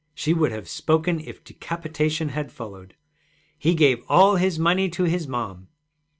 She would have spoken if decapitation had followed. 'He gave all his money to his mom.'